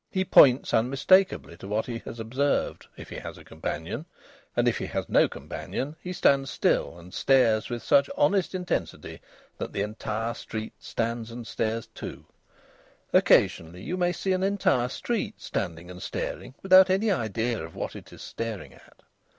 He points unmistakably to what he has observed, if he has a companion, and if he has no companion he stands still and stares with such honest intensity that the entire street stands and stares too. Occasionally you may see an entire street standing and staring without any idea of what it is staring at.